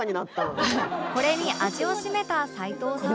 これに味を占めた齊藤さんは